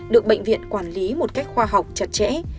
được bệnh viện quản lý một cách khoa học chặt chẽ